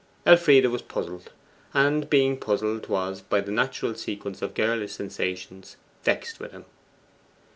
Elfride was puzzled, and being puzzled, was, by a natural sequence of girlish sensations, vexed with him.